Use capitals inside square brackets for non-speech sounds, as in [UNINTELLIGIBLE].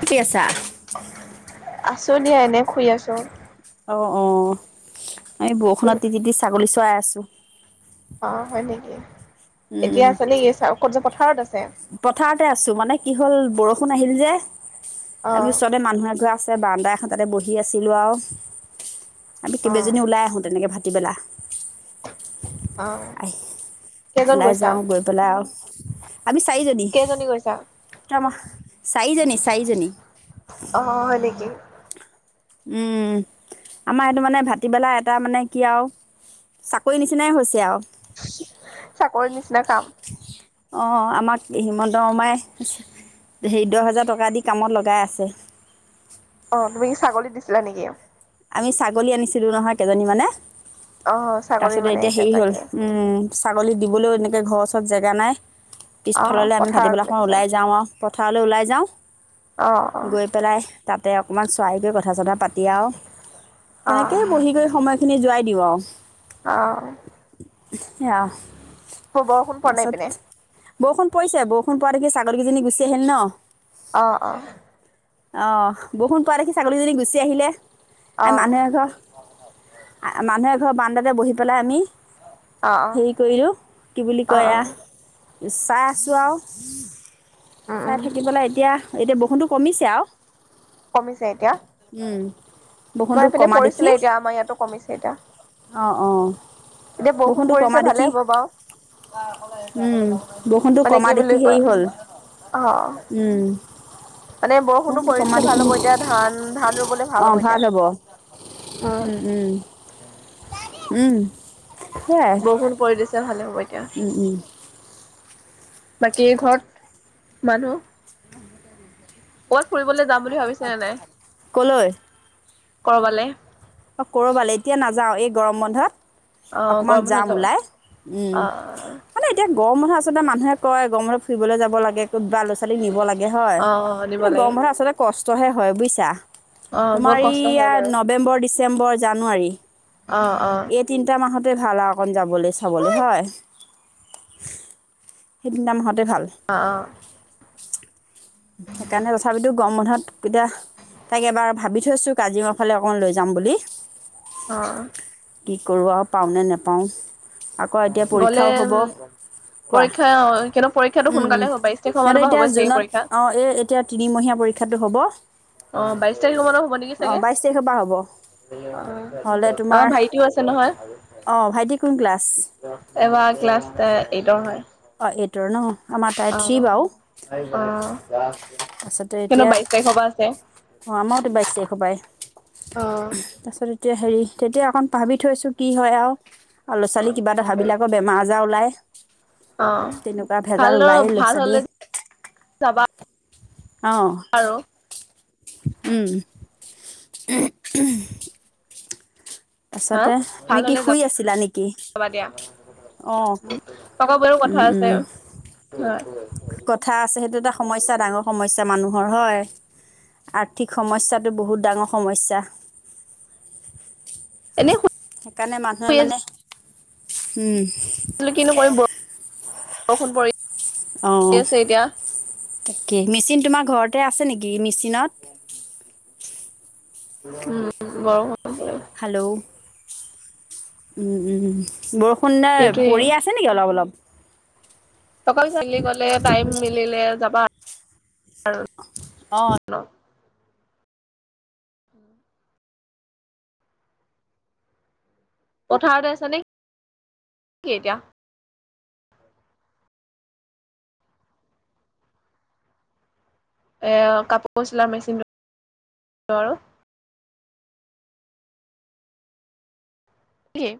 ঠিকে আছা। আছো দিয়া এনে শুই আছোঁ। অ' অ'। এই বৰষুণত তিতি তিতি ছাগলী আছোঁ। অ' হয় নেকি? এতিয়া উম। আছে নেকি [UNINTELLIGIBLE] থাৰ্ড আছে। পথাৰতে আছো। মানে কি হ'ল বৰষুণ আহিল যে অ তাৰ পিছতে মানুহ এঘৰ আছে বাৰান্দা এখন তাতে বহি আছিলোঁ আৰু। আমি অ কেইবাজনী ওলাই আহো তেনেকে ভাত ভাতিবেলা। অ'। কেইজন ওলাই গৈছা যাও গৈ পেলাই আৰু আমি চাৰিজনী। কেইজনী গৈছা চাৰিজনী চাৰিজনী। অ হয় নেকি উম, আমাৰ এইটো মানে ভাটিবেলা এটা মানে কি আৰু চাকৰি নিচিনাই হৈছে আৰু চাকৰিৰ নিচিনা কাম। অঁ আমাক হিমন্ত শৰ্মাই হেৰি দহ হোজাৰ টকা দি কামত লগাই আছে। অ' তুমি কি ছাগলী দিছিলা নেকি? আমি ছাগলী আনিছিলো নহয় কেইজনী মানে। অ ছাগলী তাৰপিছতে মানে এতিয়া হেৰি হ'ল তাকে উম ছাগলী দিবলৈও এনেকে ঘৰৰ ওচৰত জেগা নাই। অ পিছফাললৈ আমি পথাৰত ভাতিবেলাখন লাগিছে ওলাই যাওঁ আৰু পথাৰলৈ ওলাই যাওঁ। যাও। অ গৈ পেলাই তাত তে অকণমান চোৱাইকৈ কথা চথা পাতি অ তেনেকেই বহি কৰি সময়খিনি যোৱাই [UNINTELLIGIBLE] আহ এয়া পৰা নাই পিনে তাৰপাছত বৰষুণ পৰিছে বৰষুণ পকে ছাগৰ কেইজনী গুচি আহিল ন অ অ অ বৰষুণ পোৱ দেখি ছাগলীজনী গুচি আহিলে অ আম এনেগৰ মানুহে ঘৰ বান্দাতে বহি পেলাই আমি অ অ হেৰি কৰিলোঁ কি বুলি অ অ কয় চাই আছোঁ আৰু উম চাই উম থাকিবলৈ এতিয়া এতিয়া বসুো কমিছে আৰু কমিছে এতিয়া উম বৰষুণটো আমাৰ ইপিনে কমা দেখি পৰিছিলে এতিয়া আমাৰ ইয়াতো কমিছে এতিয়া অঁ অঁ এতিয়া বৰষুণ বৰষুণটো কমা পৰিছে ভালে দেখি হব বাৰ উম বৰষুণটো মানে কমা কি দেখি বুলি হেৰি কয় হ'ল অ উম মানে বৰষুণো বৰষুণটো পৰি কমা দিছে দেখি ভাল হব এতিয়া ধান ধান ৰুবলে ভাল অঁ হব এতিয়া ভাল হ'ব উম উম উম সেয়াই বহুত পৰিৱেশ ভালে হ'ব এতিয়া উম উম বাকী ঘৰত মানুহ অ কলৈ কৰবালে অ কৰবালে এতিয়া নাযাও এই গৰম বন্ধত অ অকমান গৰম বন্ধত যাম যাব ওলাই উম অ মানে এতিয়া গৰমঠতে আচলতে মানুহ কয় গৰমঠত ফুৰিলৈ যাব লে ক'বা ল'ৰা ছোৱালী নিবাগে হয় অ অ নিব কিন্ত লাগে গম পৰা আচলতে কষ্ট হে হয় বুজিছা অ তোমাৰ বহুত কষ্ট হয় ইয়া বাৰু নৱেম্বৰ দি ডিচেম্বৰ জানুৱাৰী অ অ এই তিনটা মাহত ততে ভাল আৰু অকণ যাবলৈ চাবলৈ হয় সেইদি মাহত অ অ সেইকাৰণে তথাপিতো গম বন্ধত এতিয়া তাকক এবাৰ ভাবি থৈছো কাজিৰঙাৰ ফালে অকন লৈ যাম বুলি অ কি কৰো আৰু পাও নে নেপাও গ'লে উ কোৱা পৰীক্ষা কিন্তু পৰীক্ষাতটো সোনকালে হ' বাইশ তাৰিখৰ সিহঁতে মানৰ পৰা এতিয়া হ'ব চাগে জুনত পৰীক্ষা অঁ এই এতিয়া তিনিমহীয়া পৰীক্ষাটো হ'ব অ বাইশ তাৰিখ মানৰ হ'ব নেকি অঁ চাগে বাইছ তাৰিখৰ পৰা হ'ব হ'লে অ তোমাৰ আমাৰ ভাইটিও আছে নহয় অঁ ভাইটি কোন ক্লাছ এবাৰ ক্লাছ এটা এইটো হয় অঁ এইটৰ ন আমাৰ তাই থ্ৰী আহ বাৰু আহ সন্তো বাইশ তাৰিখৰ পৰা আছে অ আমাৰওতো বাইশ তাৰিখ অ', পায় তাৰপিছত এতিয়া হেৰি তেতিয়া অকণ ভাবি থৈছো কি হয় আৰু ল'ৰা ছোৱালী কিবা এ ধহাবিলাকৰ বেমাৰ আজাৰ ওলায় অ তেনেকুৱা ভাল ভেজাল ন ওলায়েই ল'ৰা ভাল হলে ছোৱালীয়ে যাবা অঁ আৰু উম হা তাৰপাছতে ভাল তুমি কি হলে যাব শুই আছিলা নেকি যাবা দিয়া অঁ আক বাৰু কথা উম আছে উম কথা আছে সেইটো এটা সমস্যা ডাঙৰ সমস্যা মানুহ ৰ হয় আৰ্থিক সমস্যাটো বহুত ডাঙৰ সমস্যা এনেই সেইকাৰণে মানুহে মানে উম কি নক অষুণ পৰি অ আছে এতিয়া তাকে মেচিন তোমাৰ ঘৰতে আছে নেকি মিি চীন উম বৰ হেল্ল' উম উম ব সুন্দৰ সেইটোয়ে পৰি আছে নেকি অলপ অলপ তক চালি গলে টাইম মিলে যাবা অঁ আৰু পথাৰতে আছ নে এতিয়া কাপোৰ চিলাৰ মেচিনটো আৰু কি